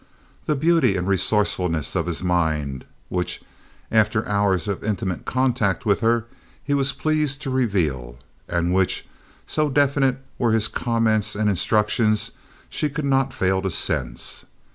The beauty and resourcefulness of his mind, which, after hours of intimate contact with her, he was pleased to reveal, and which, so definite were his comments and instructions, she could not fail to sense.